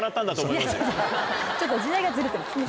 ちょっと時代がずれてます。